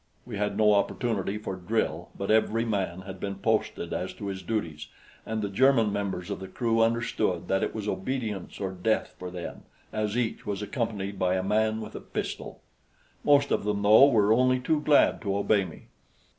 We had no opportunity for drill; but every man had been posted as to his duties, and the German members of the crew understood that it was obedience or death for them, as each was accompanied by a man with a pistol. Most of them, though, were only too glad to obey me.